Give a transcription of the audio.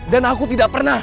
dan aku tidak pernah